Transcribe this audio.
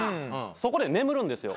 そこで眠るんですよ。